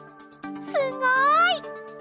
すごい！